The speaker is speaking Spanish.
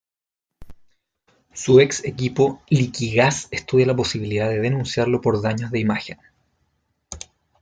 Su ex equipo Liquigas estudia la posibilidad de denunciarlo por daños de imagen.